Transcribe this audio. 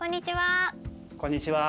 こんにちは！